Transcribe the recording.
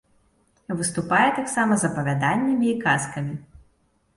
Выступае таксама з апавяданнямі і казкамі.